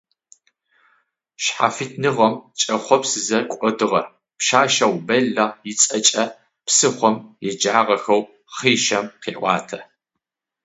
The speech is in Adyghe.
Шъхьафитныгъэм кӏэхъопсызэ кӏодыгъэ пшъашъэу Бэллэ ыцӏэкӏэ псыхъом еджагъэхэу хъишъэм къеӏуатэ.